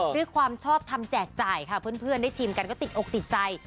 ด้วยความชอบทำแจกจ่ายค่ะเพื่อนได้ชิมกันก็ติดอกติดใจ